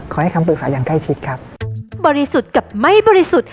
ขอให้คำปรึกษาอย่างใกล้ชิดครับ